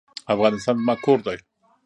افغانستان زما کور دی